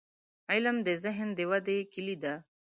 • علم، د ذهن د ودې کلي ده.